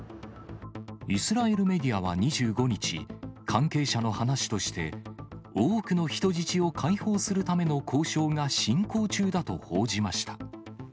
イスラエルメディアは２５日、関係者の話として、多くの人質を解放するための交渉が進行中だと報じました。